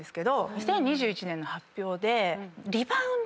２０２１年の発表で。